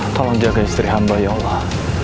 tolong jaga istri hamba ya allah